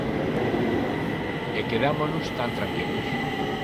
E quedámonos tan tranquilos.